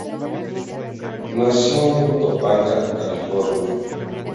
Nació en Topanga, California.